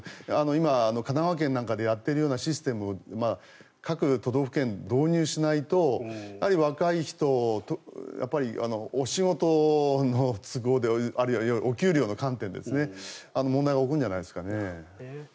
今、神奈川県なんかでやっているシステムを各都道府県に導入しないと若い人はお仕事の都合あるいはお給料の観点で問題が起こるんじゃないですか。